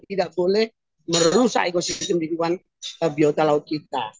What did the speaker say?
tidak boleh merusak ekosistem lingkungan biota laut kita